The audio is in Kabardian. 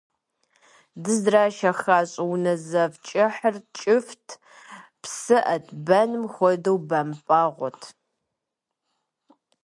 Дыздрашэха щӏыунэ зэв кӏыхьыр кӏыфӏт, псыӏэт, бэным хуэдэу бэмпӏэгъуэт.